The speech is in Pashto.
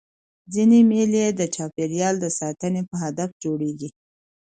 ځيني مېلې د چاپېریال د ساتني په هدف جوړېږي.